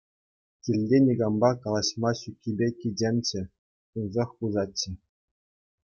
Килте никампа калаҫма ҫуккипе кичемччӗ, тунсӑх пусатчӗ.